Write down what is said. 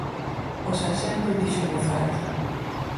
O sarxento dixo en voz alta: